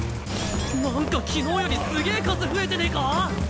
なんか昨日よりすげぇ数増えてねぇか？